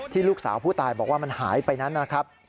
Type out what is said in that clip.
ลูกสาวผู้ตายบอกว่ามันหายไปนั้นนะครับ